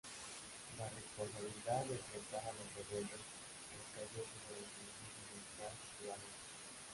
La responsabilidad de enfrentar a los rebeldes recayó sobre la Inteligencia Militar sudanesa.